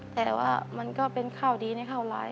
แต่ว่ามันก็เป็นข่าวดีในข่าวร้าย